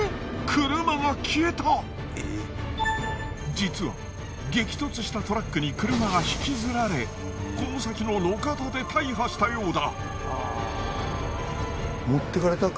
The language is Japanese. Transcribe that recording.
実は激突したトラックに車が引きずられこの先の路肩で大破したようだ。